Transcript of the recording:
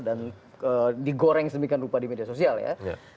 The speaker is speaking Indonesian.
dan digoreng sedemikian rupa di media sosial ya